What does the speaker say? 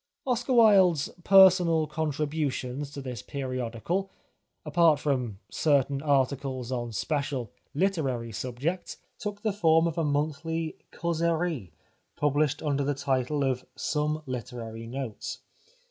Oscar Wilde's personal contributions to this periodical — apart from certain articles on special literary subjects — took the form of a monthly causerie, published under the title of " Some Literary Notes."